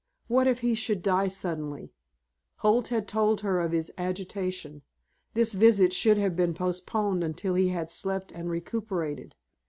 What if he should die suddenly? Holt had told her of his agitation. This visit should have been postponed until he had slept and recuperated.